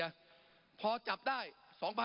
ปรับไปเท่าไหร่ทราบไหมครับ